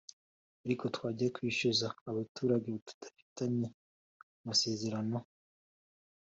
ariko twajya kwishyuza abaturage dufitanye amasezerano